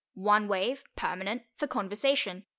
1 wave, permanent, for conversation.